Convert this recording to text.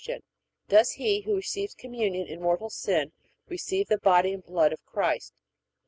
Does he who receives Communion in mortal sin receive the body and blood of Christ?